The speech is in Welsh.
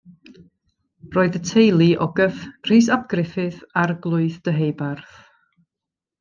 Roedd y teulu o gyff Rhys ap Gruffydd, Arglwydd Deheubarth.